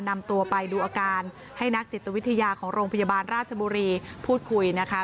นำตัวไปดูอาการให้นักจิตวิทยาของโรงพยาบาลราชบุรีพูดคุยนะคะ